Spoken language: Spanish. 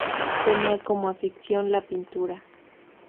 Tenía como afición la pintura.